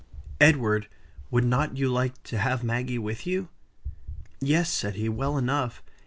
Edward, would not you like to have Maggie with you?" "Yes," said he, "well enough.